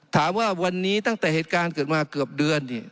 ถามว่าวันนี้ตั้งแต่เหตุการณ์เกิดมาเกือบเดือน